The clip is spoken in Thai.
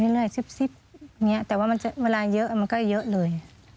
เรื่อยซิบเนี่ยแต่ว่ามันเวลาเยอะมันก็เยอะเลย